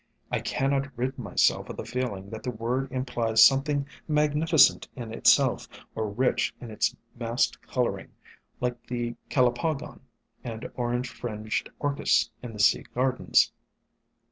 I cannot rid myself of the feeling that the word implies something magnificent in itself, or rich in its massed coloring like the Calopogon and Orange Fringed Orchis in the Sea Gardens.